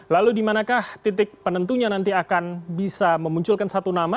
lalu dimanakah titik penentunya nanti akan bisa memunculkan satu nama